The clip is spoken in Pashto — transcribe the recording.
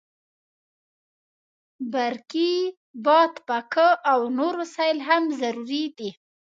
برقي بادپکه او نور وسایل هم ضروري دي.